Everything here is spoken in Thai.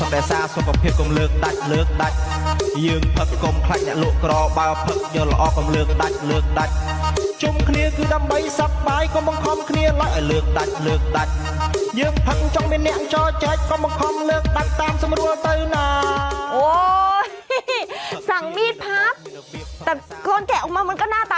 แต่ก้นแกะออกมามันก็หน้าตาเหมือนมีดพับ